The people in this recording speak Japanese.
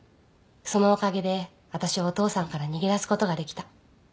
そのおかげで私はお父さんから逃げ出すことができた。